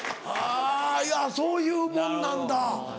あいやそういうもんなんだ。